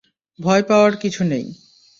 ভয় পাওয়ার কিছু নেই।